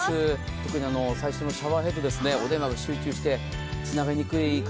特に最初のシャワーヘッドお電話が集中してつながりにくい方